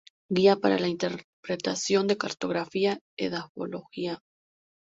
Guía para la Interpretación de Cartografía Edafología.